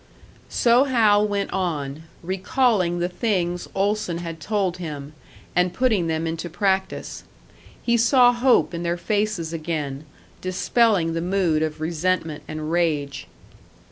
So Hal went on, recalling the things Olson had told him, and putting them into practice. He saw hope in their faces again, dispelling the mood of resentment and rage.